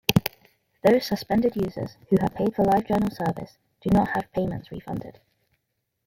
Those suspended users who have paid for LiveJournal's service do not have payments refunded.